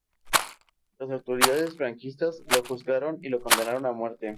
Las autoridades franquistas lo juzgaron y lo condenaron a muerte.